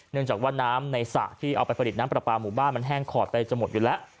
เนื่องจากว่าน้ำในสระที่เอาไปผลิตน้ำปลาปลาหมู่บ้านมันแห้งขอดไปจะหมดอยู่แล้ว